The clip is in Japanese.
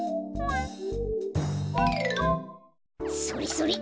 それそれ！